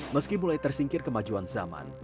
meski mulai tersingkir kemajuan zaman